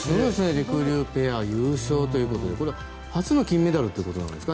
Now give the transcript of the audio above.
りくりゅうペア優勝ということでこれは初の金メダルということですか？